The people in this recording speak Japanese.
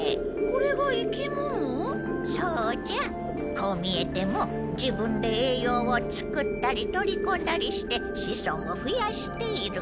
こう見えても自分で栄養を作ったり取りこんだりして子孫をふやしている。